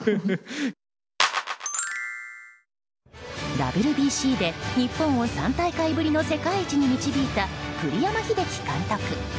ＷＢＣで日本を３大会ぶりの世界一に導いた、栗山英樹監督。